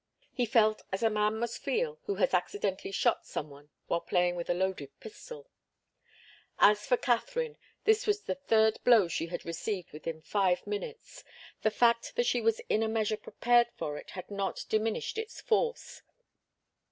He felt as a man must feel who has accidentally shot some one while playing with a loaded pistol. As for Katharine, this was the third blow she had received within five minutes. The fact that she was in a measure prepared for it had not diminished its force.